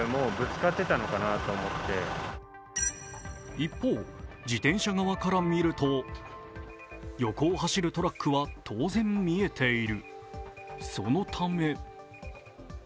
一方、自転車側から見ると、横を走るトラックは当然見えている。